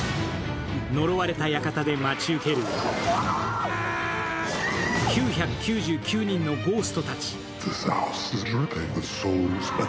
呪われた館で待ち受ける９９９人のゴーストたち。